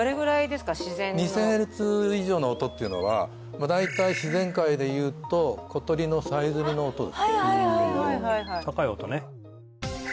２０００ヘルツ以上の音っていうのは大体自然界で言うと小鳥のさえずりの音ですね